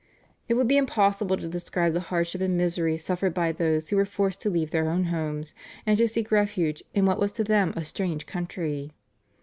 It would be impossible to describe the hardship and miseries suffered by those who were forced to leave their own homes, and to seek a refuge in what was to them a strange country.